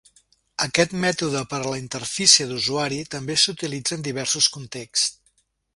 Aquest mètode per a la interfície d'usuari també s'utilitza en diversos contexts.